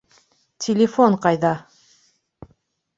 Телефон ҡайҙа?